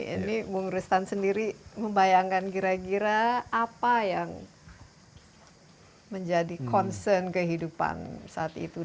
ini bung rustan sendiri membayangkan kira kira apa yang menjadi concern kehidupan saat itu